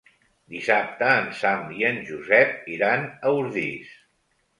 Dissabte en Sam i en Josep iran a Ordis.